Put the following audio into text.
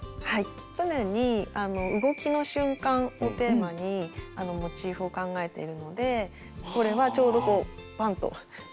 常に「動きの瞬間」をテーマにモチーフを考えているのでこれはちょうどこうパンと打ったところです。